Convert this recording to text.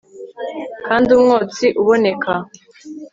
kandi umwotsi uboneka